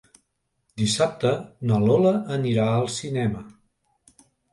Dissabte na Lola anirà al cinema.